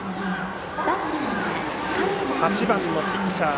８番のピッチャー